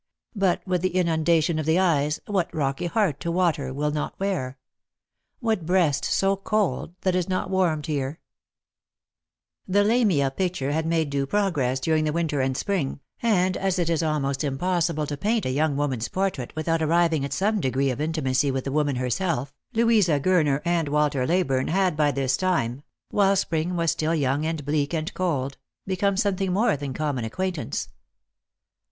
But with the inundation of the eyes, What rocky heart to water will not wear f What breast so cold that is not warmed her* I" The Lamia picture had made due progress during the winter and spring, and, as it is almost impossible to paint a young woman's portrait without arriving at some degree of intimacy with the woman herself, Louisa Gurner and Walter Leyburne had by this time — while spring was still young and bleak and cold — become something more than common acquaintance.